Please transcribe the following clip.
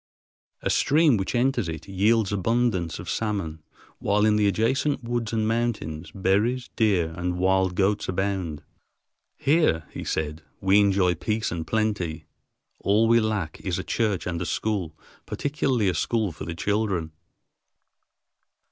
A stream which enters it yields abundance of salmon, while in the adjacent woods and mountains berries, deer, and wild goats abound. "Here," he said, "we enjoy peace and plenty; all we lack is a church and a school, particularly a school for the children."